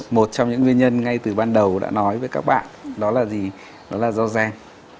một trong những nguyên nhân ngay từ ban đầu đã nói với các bạn đó là do gen